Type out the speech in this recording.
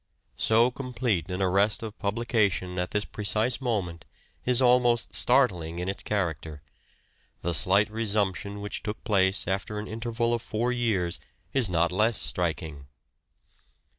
So complete an arrest of publication at this precise moment is almost start ling in its character ; the slight resumption which took POSTHUMOUS CONSIDERATIONS 417 place after an interval of four years is not less striking.